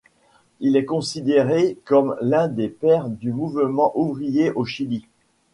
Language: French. Il est considéré comme l’un des pères du mouvement ouvrier au Chili.